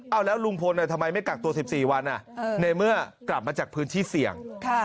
เอาแล้วลุงพลทำไมไม่กักตัว๑๔วันในเมื่อกลับมาจากพื้นที่เสี่ยง